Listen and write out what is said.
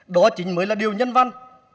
đó chính mới là điều nhân văn